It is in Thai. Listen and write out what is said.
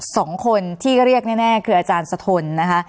สองคนที่เรียกแน่คืออาจารย์สะทนนะคะ